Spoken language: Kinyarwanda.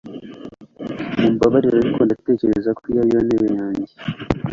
mumbabarire, ariko ndatekereza ko iyi ari yo ntebe yanjye